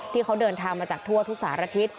ที่เขาเดินทางมาจากทั่วทุกสารทิศ